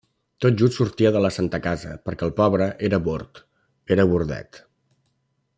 Tot just sortia de la Santa Casa… perquè el pobre era bord, era bordet…